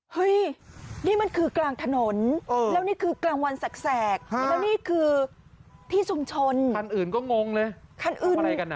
เฮ้ยนี่มันคือกลางถนนแล้วนี่คือกลางวันแสกแล้วนี่คือที่ชุมชนคันอื่นก็งงเลยคันอื่นอะไรกันอ่ะ